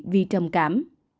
vì trầm cảm